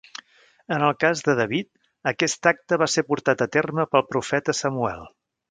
En el cas de David, aquest acte va ser portat a terme pel profeta Samuel.